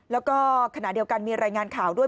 แล้วก็ขณะเดียวกันมีรายงานข่าวด้วย